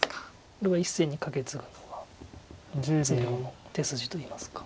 これは１線にカケツグのが詰碁の手筋といいますか。